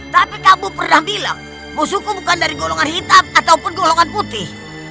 tapi kamu pernah bilang musuhku bukan dari golongan hitam ataupun golongan putih